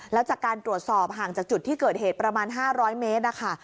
แล้วจากการตรวจสอบห่างจากจุดที่เกิดเหตุประมาณ๕๐๐เมตรนะคะ